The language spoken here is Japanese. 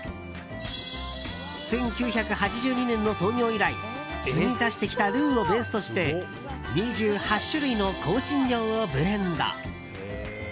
１９８２年の創業以来継ぎ足してきたルーをベースとして２８種類の香辛料をブレンド。